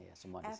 ya semua di sini